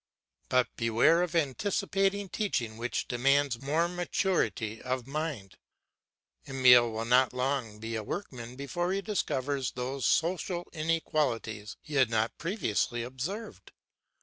But beware of anticipating teaching which demands more maturity of mind. Emile will not long be a workman before he discovers those social inequalities he had not previously observed.